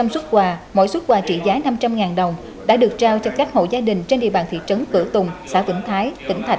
hai trăm linh xuất quà mỗi xuất quà trị giá năm trăm linh đồng đã được trao cho các hộ gia đình trên địa bàn thị trấn cửa tùng xã tỉnh thái tỉnh thái bắc